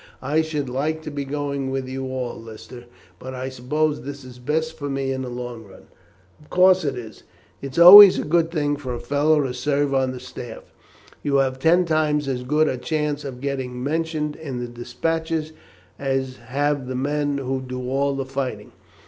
"I should like to be going with you all, Lister; but I suppose this is best for me in the long run." "Of course it is. It is always a good thing for a fellow to serve on the staff. You have ten times as good a chance of getting mentioned in the despatches, as have the men who do all the fighting.